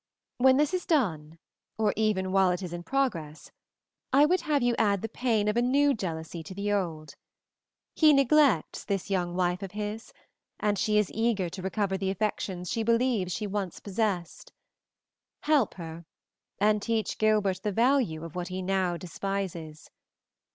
When this is done, or even while it is in progress, I would have you add the pain of a new jealousy to the old. He neglects this young wife of his, and she is eager to recover the affections she believes she once possessed. Help her, and teach Gilbert the value of what he now despises.